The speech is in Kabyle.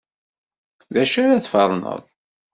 D acu ara tferned?